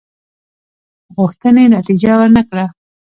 غوښتنې نتیجه ورنه کړه.